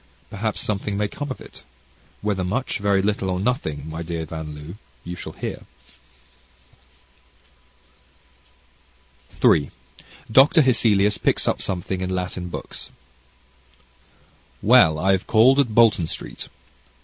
Perhaps something may come of it. Whether much, little, or nothing, my dear Van L., you shall hear. CHAPTER III Dr. Hesselius Picks Up Something in Latin Books Well, I have called at Blank Street.